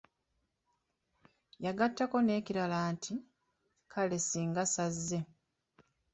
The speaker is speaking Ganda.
Yagattako n'ekirala nti:"kale ssinga sazze"